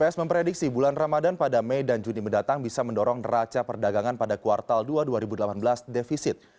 bps memprediksi bulan ramadan pada mei dan juni mendatang bisa mendorong neraca perdagangan pada kuartal dua dua ribu delapan belas defisit